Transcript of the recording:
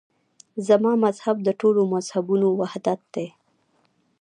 زما مذهب د ټولو مذهبونو وحدت دی.